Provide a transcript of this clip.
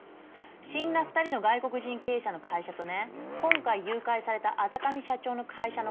死んだ２人の外国人経営者の会社とね今回誘拐された阿座上社長の会社の株が。